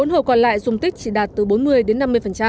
một mươi bốn hồ còn lại dùng tích chỉ đạt từ bốn mươi đến năm mươi